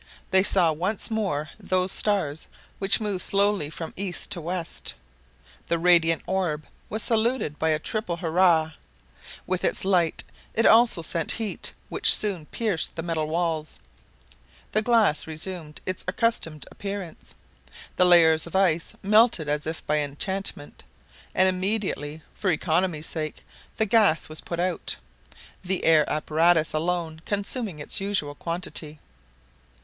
They saw once more those stars which move slowly from east to west. The radiant orb was saluted by a triple hurrah. With its light it also sent heat, which soon pierced the metal walls. The glass resumed its accustomed appearance. The layers of ice melted as if by enchantment; and immediately, for economy's sake, the gas was put out, the air apparatus alone consuming its usual quantity.